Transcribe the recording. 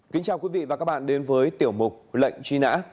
kính chào quý vị và các bạn đến với tiểu mục lệnh truy nã